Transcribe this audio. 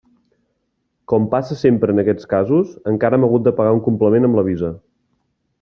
Com passa sempre en aquests casos, encara hem hagut de pagar un complement amb la VISA.